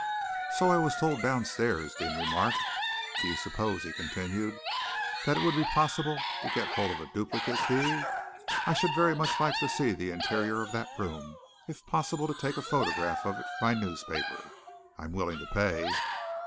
"So I was told downstairs," Deane remarked. "Do you suppose," he continued, "that it would be possible to get hold of a duplicate key? I should like very much to see the interior of that room if possible to take a photograph of it for my newspaper. I am willing to pay."